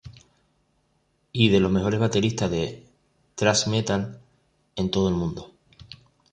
Y de los mejores bateristas del thrash metal en todo el mundo.